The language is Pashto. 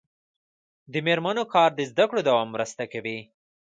د میرمنو کار د زدکړو دوام مرسته کوي.